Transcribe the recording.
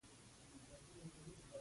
کله چې جامد جسم ته تودوخه ورکوو.